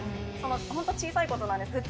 その本当、小さいことなんです。